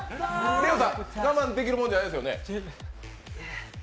ＬＥＯさん、我慢できるものじゃないですよね。